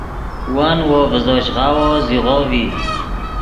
ون وو ڤزوش غاوو زیغو ڤی